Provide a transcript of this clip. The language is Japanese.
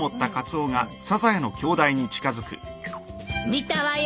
・見たわよ。